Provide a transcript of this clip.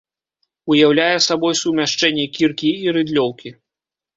Уяўляе сабой сумяшчэнне кіркі і рыдлёўкі.